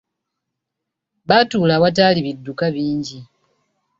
Baatula awataali bidduka bingi.